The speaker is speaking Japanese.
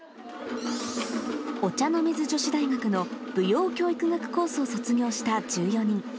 お茶の水女子大学の舞踊教育学コースを卒業した１４人。